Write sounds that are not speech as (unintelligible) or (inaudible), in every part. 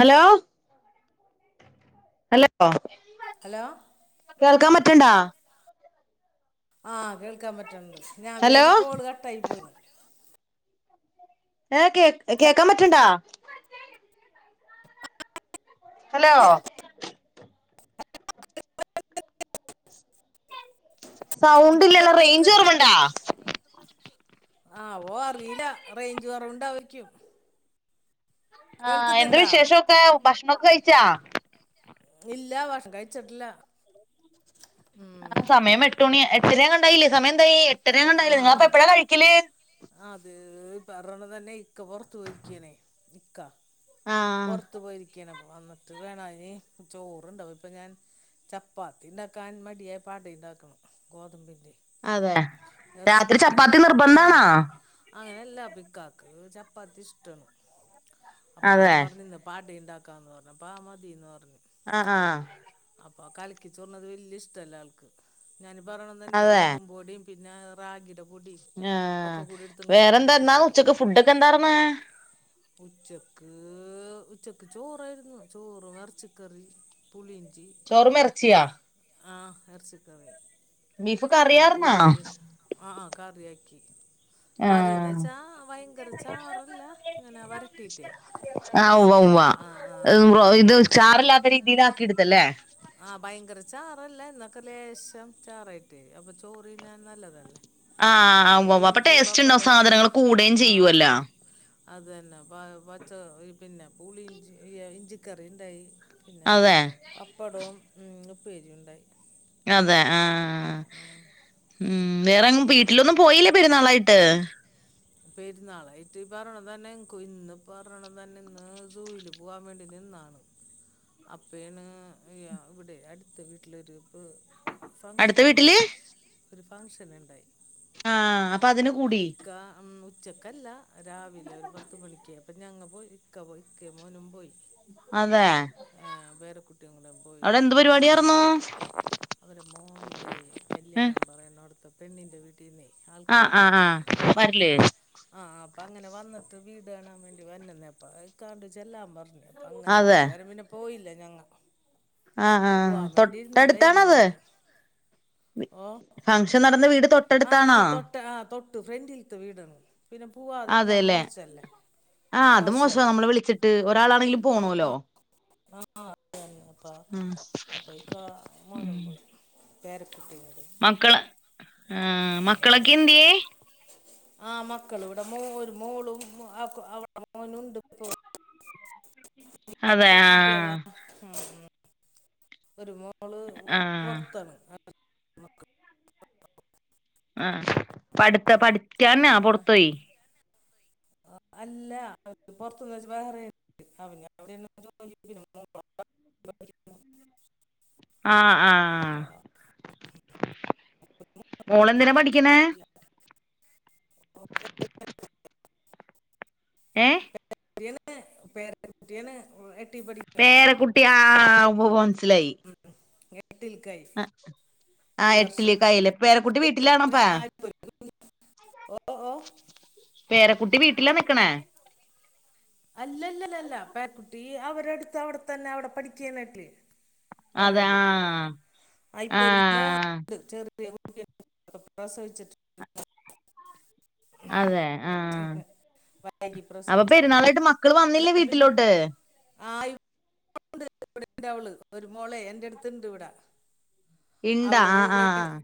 Hello hello hello കേൾക്കാൻ പറ്റണ്ട ആഹ് കേൾക്കാൻ പറ്റൻണ്ട് ഞാൻ ഹലോ വിചാരിച്ച് കോള് കട്ടായി പോയിന്ന് ഏ് കേ കേക്കാൻ പറ്റണണ്ടാ ഹലോ സൗണ്ട്ല്ലല്ല റേഞ്ച് കുറവുണ്ടാ ആവോ അറിയില്ല റേഞ്ച് കൊറവുണ്ടായ്ക്കും ആ എന്ത് വിശേഷൊക്കെ ഭക്ഷണക്കെ കഴിച്ചാ ഇല്ല ഭക്ഷണം കഴിച്ചിട്ടില്ല ആ ഉം സമയം എട്ട് മണി എട്ടര എങ്ങാണ്ടായില്ലേ സമയംന്തായി ആ എട്ടരങ്ങാണ്ടായില്ലേ നിങ്ങപ്പ എപ്പഴാ കഴിക്കല് അത് പറണ് തന്നെ ഇക്ക പുറത്ത് പോയിക്കണേയാണ് ഇക്ക ആ പുറത്തു പോയിരിക്കണ്പ്പ വന്നിട്ട് വേണയിനി ചോറണ്ടാവും ഇപ്പൊ ഞാൻ ചപ്പാത്തി ഉണ്ടാക്കാൻ മടിയായപ അട ഉണ്ടാക്കണം ഗോതമ്പിന്റെ അതെ രാത്രി എറച്ചിക്കറിണ്ട് ചപ്പാത്തി അപ്പൊ ഇക്ക പറഞ്ഞ നിർബന്ധാണാ അങ്ങനെ ല്ല പിക്കാക്ക് ചപ്പാത്തി ഇഷ്ടമാണ് അപ്പം ഞാൻ അതെ പറഞ്ഞ് ഇന്ന് അട ഉണ്ടാക്കാന് ക്കാന്ന് പറഞ്ഞപ്പാ അത് മതിന്ന് പറഞ്ഞു ആഹ ആഹ അപ്പൊ കലക്കി ചുട്ന്നത് വല്യ ഇഷ്ടല്ല ആൾക്ക് ഞാനി പറണം തന്നെ അതെ ഗോതമ്പും പൊടിയും പിന്നെ റാഗിടെ പൊടിയും ആ ഒക്കെ കൂടി എടുത്ത് വേറെന്താ കലക്കി എന്നാന്ന് ചുട്ടു ഉച്ചക്ക് ഫുഡൊക്കെ എന്താർന്ന് ഉച്ചക്ക് ഉച്ചക്ക് ചോറായിരുന്നു ചോറ് ഇറച്ചിക്കറി പുളിഞ്ചി ചോറുമിറച്ചിയ ആ ഇറച്ചിക്കറി ബീഫ് പിന്നെ കറിയാർന്നാ പുളി ആഹ് കറിയാക്കി ആ കറീന്നചാ ഭയങ്കര ചാറല്ല ഇങ്ങനെ വരട്ടീട്ടേ ആ് ഉവ്വ ഉവ്വാ ഇത് അങ്ങനെ ചാറല്ലാത്ത രീതിൽ ആക്കിടുത്തല്ലേ ആഹ ഭയങ്കര ചാറല്ല എന്നൊക്കെ ലേശം ചാറായിട്ട് അപ്പൊ ചോറ് തിന്നാൻ നല്ലതല്ലേ പിന്നെ ആഹ് ഉവ്വ പുളി ഉവ്വ അപ്പൊ ഇഞ്ചി ടേസ്റ്റ് ഉണ്ടാവും പപ്പടം സാധനങ്ങൾ കൂടുകയും ആഹ ചെയ്യുവല്ലോ ആഹ അതന്നെ പ പച്ച പിന്നെ പൂളി ഇഞ്ചിഈ ഇഞ്ചിക്കറി ഉണ്ടായി അതെ പടവും പേജുണ്ടായി അതെ ആ ഉം വേറെങ്ങും വീട്ടിലൊന്നും പോയില്ലേ പെരുന്നാളായിട്ട് പെരുന്നാളായിട്ട് പറഞ്ഞണ തന്നെ ഇന്ന് പറഞ്ഞണ തന്നെ ഇന്ന് സൂയിലും പോവാൻ വേണ്ടി നിന്നാണ്. അപ്പേണ് ഇവിടെ അടുത്ത വീട്ടിലൊരു ഇപ്. അടുത്ത ഫങ്ഷൻ വീട്ടില് ഇണ്ടായി. ഒരു ഫങ്ഷൻ ഇണ്ടായി. ആഹ് അപ്പതിന് കൂടി. ഉം ഉച്ചക്കല്ല. രാവിലെ ഒരു പത്ത് മണിക്ക് അപ്പം ഞങ്ങൾ പോയി. ഇക്ക പോ. ഇക്ക മോനും പോയി. അതെ ആഹ് വറെ കുട്ടിവങ്ങള (unintelligible) പോയി അവിടെ എന്ത് പോന്നു. ആഹ് പരിപാടിയാർന്നു അവര്ടെ മോൻ്റെ കല്യാണം പറയണൊട്ത്ത്. പെണ്ണിന്റെ വീട്ടീന്നെ ആഹ് ആൾക്കാര് ആഹ് ആഹ് വരുന്നു. വരില്ലേ ആഹ് അപ്പൊ അങ്ങനെ വന്നിട്ട് വീട് കാണാൻ വേണ്ടി വര്ന്ന്ന്നെ. അപ്പൊ അയ്കാണ്ട് ച്ചെല്ലാം പറ്ഞ്ഞു. അപ്പ അങ്ങനെ പോയി. അതെ ഏതായാലും പിന്നെ പോയില്ല ഞങ്ങ ആഹ് ആഹ്. പോവാൻ വേണ്ടി തൊട്ടടുത്താണൊ ഇരുന്നതായിരുന്നു അത്. ഇന്ന് ഫംഗഷൻ നടന്ന വീട്. ആഹ് തൊട്ടടുത്താണോ ആഹ് തൊട്ട്. ആഹ് തൊട്ട് ഫ്രണ്ട്ൽത്ത വീടാണ്. പിന്നെ പൂവാതെ ഇരിന്നാ അതെല്ലേ മോശല്ലെ. മോശല്ലെ. ഇത് ഒരാളാണെങ്കിലും പോണോലൊ. ആഹ് അത് തന്നെ അപ്പ അപേയ്ക്ക ഉം മോനും പോയി. പേര കുട്ടികള്. മക്കള് ആ മക്കളൊക്കെ എന്ത്യേ. ആ മക്കളിവിടെ മോ ഒരു മോളും അവള്ടെ മോനുണ്ട് ഇപ ഇവടെ. നിങ്ങ (unintelligible) അതെ എത്ര കുട്ടികളാ ആഹ് ഉം ഒരു മോള് ആഹ് പൊറ്ത്താണ്. ആഹ് പഠിത്ത പഠി പിന്നെ അല്ലാ പൊറ്ത്ത്ന്ന് വെച്ച ബഹ്റൈൻ (unintelligible) ആഹ് ആഹ് മോളെന്തിനാ പഠിക്ക്ണേ. (inaudible) ഓക്കെ ഏഹ് കുട്ടിയാണ് പേര കുട്ടിയാണ് ഓള് എട്ടീ പഠി പേര കുട്ടി ആഹ് ഉവ്വ് മൻസ്സിലായി. ട്ടിൽക്കയി. അ ആ എട്ടില് കായിലെ. പിന്നെ പേര കുട്ടി വീട്ടിലാണൊ ഇപ്പാ. (unintelligible) ഓ ഓ പേര കുട്ടി വീട്ടിലാ നിക്ക്ണേ. അല്ലല്ലല്ലല. പേര കുട്ടി അവരടുത്ത് അവടെത്തന്നെ അവടെ പഠിക്ക്യാനെട്ടില്. അതെ വേറെല്ലെഹ് ആഹ് ആ ഇപ്പൊ ഒരു ആഹ് മോനുണ്ട് ചെറ (unintelligible) പ്രസവച്ചിട്ട് അതെ ആഹ് (unintelligible) വൈകി അപ്പൊ പ്രസവിച്ചതാ പെരുന്നാളായിട്ട് മക്കള് വന്നില്ലേ (unintelligible) പിന്നെ വീട്ടിലോട്ട് ആഹ് (unintelligible) ഒരു മോളെ എന്റെടുത്തിണ്ട് ഇവിട. ഇണ്ടാ അവള് ആഹ് ഇവിടെണ് ആഹ്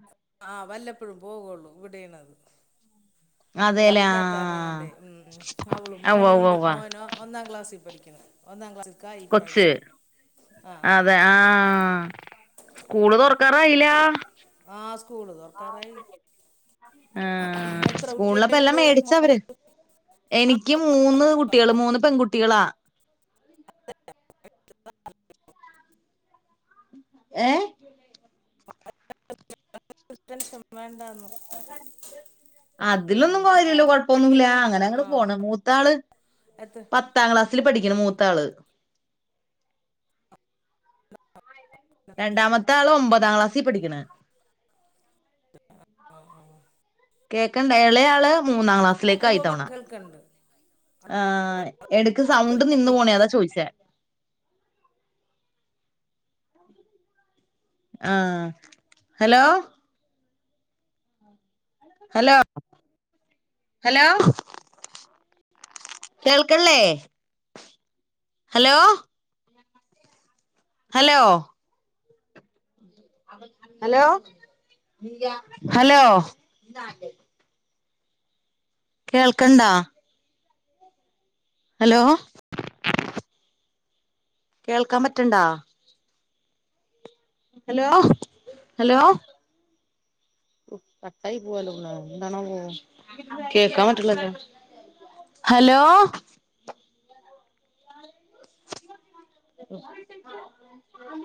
ആഹ് വല്ലപ്പോഴും പോവൊള്ളു. ഇവിടേണ് അത്. അതേല്ലേ ഇവിടാരുല്ലാത്താരണം ആഹ് കൊണ്ടേ. ഉം അവളും ആ ഉവ്വ മോനും ഉവ്വ ഉണ്ട് ഉവ്വ മോനൊ ഒന്നാം ക്ലാസ്സി പഠിക്ക്ണ്. ഒന്നാം ക്ലാസ്സിൽക്കായി ഈ കൊച്ച് പ്രാവശ്യം. ആഹ് ആഹ് ആഹ്. കൂള് തൊറക്കാറായില്ല. ആഹ് സ്കൂള് തൊർക്കാറായി. ആഹ് എത്ര സ്കൂളിലപ്പ എല്ലാം കുട്ട്യേള്ണ്ട് മേടിച്ച അവര് മോൾക്ക്. എനിക്ക് മൂന്ന് കുട്ടികള് മൂന്ന് പെൺകുട്ടികളാ ഏഹ് (unintelligible) ടെൻഷൻ വേണ്ടാന്ന് (unintelligible) അതിലൊന്നും കാര്യന്നുല്ല കൊഴപ്പൊന്നുല്ല പഠിക്കണ അങ്ങനെ ആ അങ്ങ് പോണ് മൂത്താള് എത്ര പ പത്താം ക്ലാസില് പഠിക്കണ് മൂത്താള് രണ്ടാമത്താള് ഒമ്പതാം ക്ലാസി പഠിക്കണ് ആ ആ കേക്കണ്ടാ ഇളയാള് മൂന്നാം ക്ലാസ് സിലേക്കായി ഈ ഉവ്വ തവണ കേൾക്കുന്നുണ്ട് ആഹ് എടക്ക് സൗണ്ട് നിന്ന് പോണേ അതാ ചോദിച്ചേ ആഹ് ഹലോ ഹലോ ഹലോ കേൾക്കള്ളേ ഹലോ ഹലോ ഹലോ ഹലോ കേൾക്കണ്ടാ ഹലോ കേൾക്കാൻ പറ്റണ്ടാ ഹലോ ഹലോ കട്ടായി പോവാലോ എന്താണോ പോ കേക്കാൻ പറ്റല്ല ഹലോ (unintelligible)